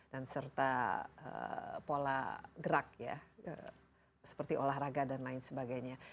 dan serta pola gerak ya seperti olahraga dan lain sebagainya